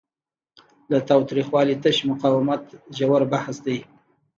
له تاوتریخوالي تش مقاومت ژور بحث دی.